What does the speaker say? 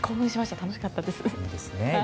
楽しかったです。